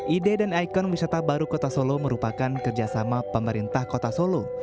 ide dan ikon wisata baru kota solo merupakan kerjasama pemerintah kota solo